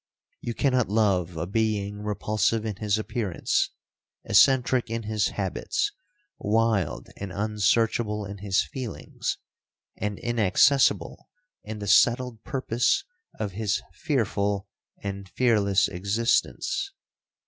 You cannot love a being repulsive in his appearance,—eccentric in his habits,—wild and unsearchable in his feelings,—and inaccessible in the settled purpose of his fearful and fearless existence.